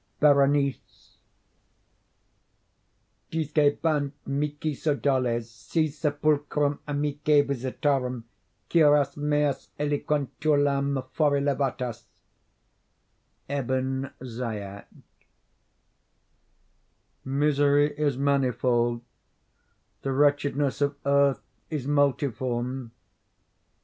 BERENICE Dicebant mihi sodales, si sepulchrum amicae visitarem, curas meas aliquar tulum fore levatas.—Ebn Zaiat. Misery is manifold. The wretchedness of earth is multiform.